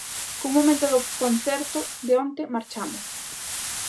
Cun momento do concerto de onte, marchamos.